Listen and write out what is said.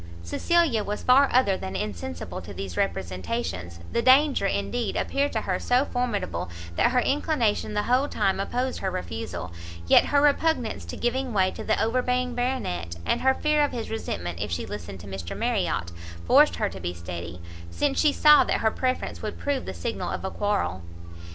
Cecilia was far other than insensible to these representations; the danger, indeed, appeared to her so formidable, that her inclination the whole time opposed her refusal; yet her repugnance to giving way to the overbearing Baronet, and her fear of his resentment if she listened to Mr Marriot, forced her to be steady, since she saw that her preference would prove the signal of a quarrel.